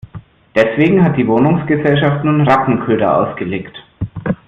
Deswegen hat die Wohnungsgesellschaft nun Rattenköder ausgelegt.